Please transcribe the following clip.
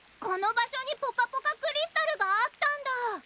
この場所にポカポカクリスタルがあったんだ！